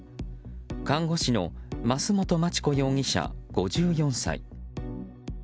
看護師の増本真知子容疑者、５４歳。